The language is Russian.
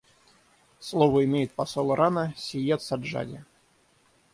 Слово имеет посол Ирана Сейед Саджади.